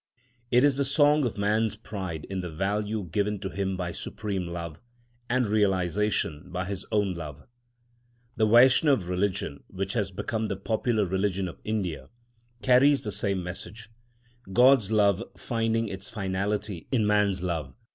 It is the song of man's pride in the value given to him by Supreme Love and realised by his own love. The Vaishnava religion, which has become the popular religion of India, carries the same message: God's love finding its finality in man's love.